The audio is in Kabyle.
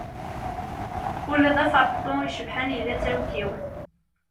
Ula d aferṭeṭṭu icebḥen, yella d tawekkiwt.